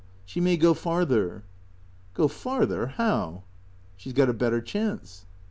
She may go farther." "Go farther? How?" " She 's got a better chance."